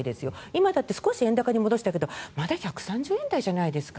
今だって少し円高に戻したけど１３０円台じゃないですか